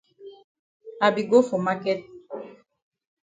I be go for maket.